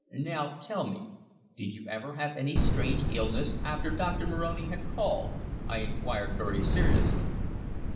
"Now tell me, did you ever have any strange illness after Doctor Moroni had called?" I inquired very seriously.